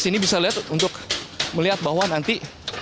sini bisa lihat untuk melihat bahwa nanti